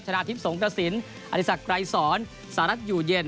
ชนะทิพย์สงตะศิลป์อธิษฐกรายสอนสารรัฐอยู่เย็น